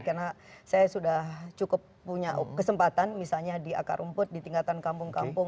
karena saya sudah cukup punya kesempatan misalnya di akarumput di tingkatan kampung kampung